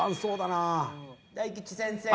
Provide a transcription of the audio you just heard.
大吉先生。